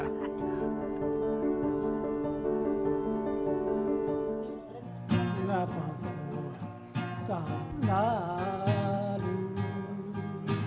kenapa tak lalu